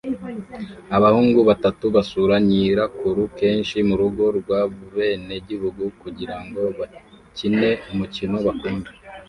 abahungu batatu basura nyirakuru kenshi murugo rwabenegihugu kugirango bakine umukino bakunda